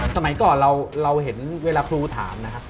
สมัยก่อนเราเห็นเวลาครูถามนะครับ